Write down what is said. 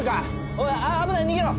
おい危ない逃げろ！